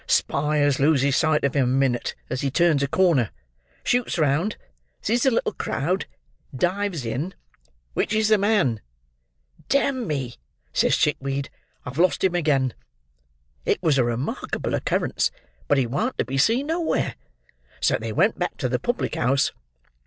Spyers loses sight of him a minute as he turns a corner; shoots round; sees a little crowd; dives in; 'Which is the man?' 'D—me!' says Chickweed, 'I've lost him again!' It was a remarkable occurrence, but he warn't to be seen nowhere, so they went back to the public house.